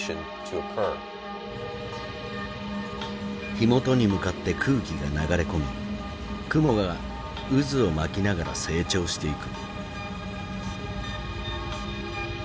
火元に向かって空気が流れ込み雲が渦を巻きながら成長していく。